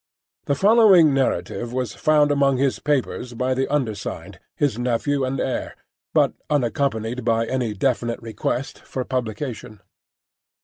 The following narrative was found among his papers by the undersigned, his nephew and heir, but unaccompanied by any definite request for publication.